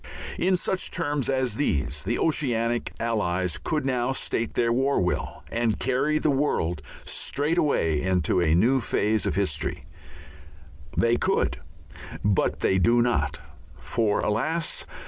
In such terms as these the Oceanic Allies could now state their war will and carry the world straightway into a new phase of human history. They could but they do not. For alas!